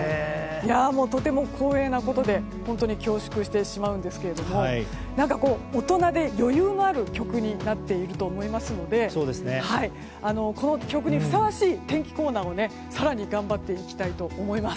とても光栄なことで本当に恐縮してしまうんですが何か、大人で余裕のある曲になっていると思いますのでこの曲にふさわしい天気コーナーを更に頑張っていきたいと思います。